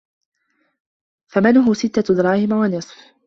ثَمَنُهُ سِتَّةُ دَرَاهِمَ وَنِصْفٌ